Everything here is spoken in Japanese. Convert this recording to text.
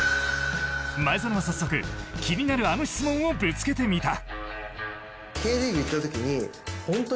前園は早速気になるあの質問をぶつけてみた。